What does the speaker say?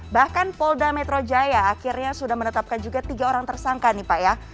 bahkan polda metro jaya akhirnya sudah menetapkan juga tiga orang tersangka nih pak ya